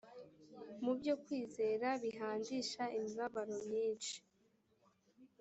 mu byo kwizera bihandisha imibabaro myinshi